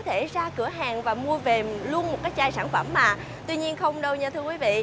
theo báo cáo của liên hiệp quốc mỗi phút có một triệu chai nhựa được tiêu thụ trên toàn thế giới